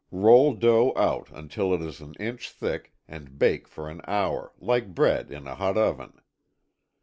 Roll dough out until it is an inch thick and bake for an hour like bread in a hot oven.